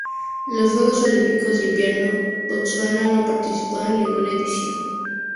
En los Juegos Olímpicos de Invierno Botsuana no ha participado en ninguna edición.